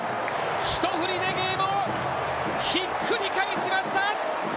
一振りでゲームをひっくり返しました。